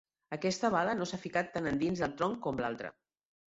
Aquesta bala no s'ha ficat tan endins del tronc com l'altra.